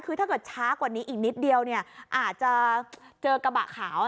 คือถ้าเกิดช้ากว่านี้อีกนิดเดียวเนี่ยอาจจะเจอกระบะขาว